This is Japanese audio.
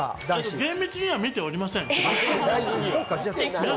現実には見ておりません。